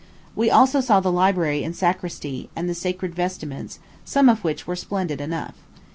We also saw the library and sacristy, and the sacred vestments, some of which were splendid enough.